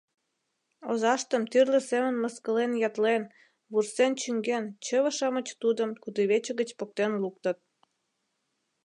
Озаштым тӱрлӧ семын мыскылен-ятлен, вурсен чӱҥген, чыве-шамыч тудым кудывече гыч поктен луктыт.